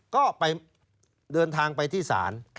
ก็ไปเดินทางไปที่ศาล